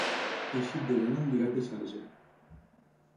Teixit de llana amb lligat de sarja.